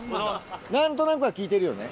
何となくは聞いてるよね？